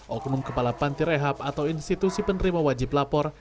oknum kepala panti rehab atau institusi penerima wajib lapor